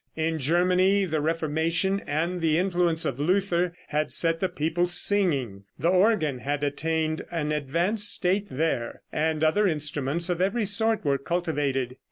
In Germany the Reformation and the influence of Luther had set the people singing. The organ had attained an advanced state there, and other instruments of every sort were cultivated.